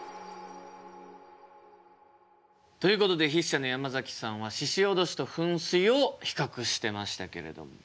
ということで筆者の山崎さんは鹿おどしと噴水を比較してましたけれども。